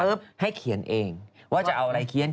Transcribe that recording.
สนุนโดยดีที่สุดคือการให้ไม่สิ้นสุด